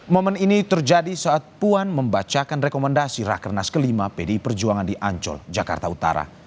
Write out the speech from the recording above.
momen ini terjadi saat puan membacakan rekomendasi rakernas ke lima pdi perjuangan di ancol jakarta utara